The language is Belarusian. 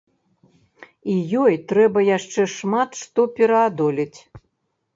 І ёй трэба яшчэ шмат што пераадолець.